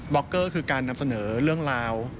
็อกเกอร์คือการนำเสนอเรื่องราว